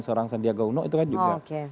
seorang sandiaga uno itu kan juga